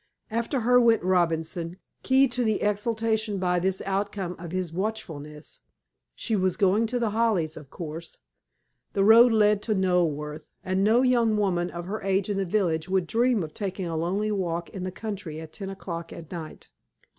After her went Robinson, keyed to exultation by this outcome of his watchfulness. She was going to The Hollies, of course. The road led to Knoleworth, and no young woman of her age in the village would dream of taking a lonely walk in the country at ten o'clock at night.